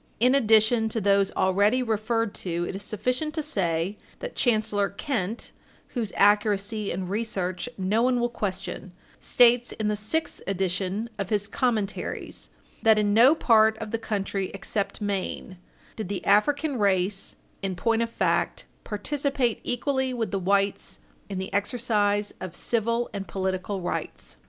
In addition to those already referred to, it is sufficient to say that Chancellor Kent, whose accuracy and research no one will question, states in the sixth edition of his Commentaries (published in 1848, 2 vol., 258, note b) that in no part of the country except Maine did the African race, in point of fact, participate equally with the whites in the exercise of civil and political rights.